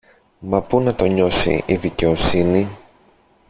Μα πού να το νιώσει η δικαιοσύνη!